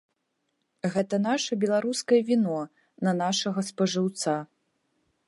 Гэта наша беларускае віно, на нашага спажыўца.